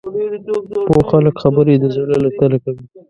پوه خلک خبرې د زړه له تله کوي